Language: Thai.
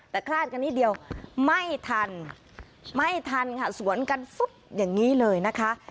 แต่คลาดกันนิดเดียวไม่ทันไม่ทันค่ะสวนกันฟึ๊บอย่างนี้เลยนะคะ